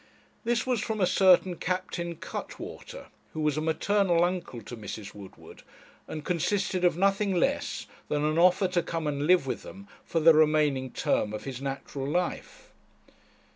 This was from a certain Captain Cuttwater, who was a maternal uncle to Mrs. Woodward, and consisted of nothing less than an offer to come and live with them for the remaining term of his natural life.